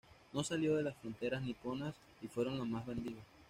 No salió de las fronteras niponas y fueron las más vendidas.